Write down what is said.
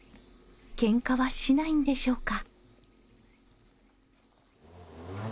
ケンカはしないんでしょうか？